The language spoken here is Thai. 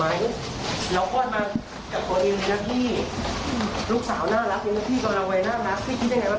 เรากล้อนมากับคนอื่นนะพี่อืมลูกสาวน่ารักเนี้ยนะพี่กับเราไว้น่ารัก